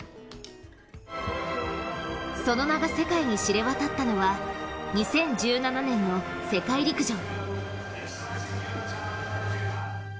その名が世界に知れ渡ったのは２０１７年の世界陸上。